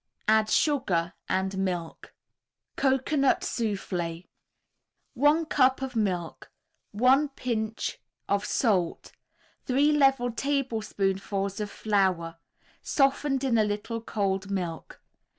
Add sugar and milk. COCOANUT SOUFFLÉ 1 cup of milk, 1 pinch of salt, 3 level tablespoonfuls of flour, softened in a little cold milk.